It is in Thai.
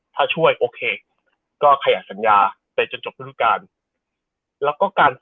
ถ้าช่วยโอเคก็ขยะสัญญาไปจนจบทุกการ